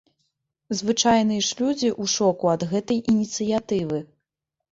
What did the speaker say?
Звычайныя ж людзі ў шоку ад гэтай ініцыятывы.